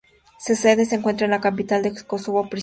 Su sede se encuentra en la capital de Kosovo, Pristina.